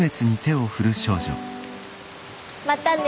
またね。